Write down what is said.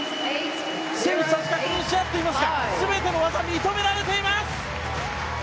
選手たちが喜びあっていますが全ての技、認められています！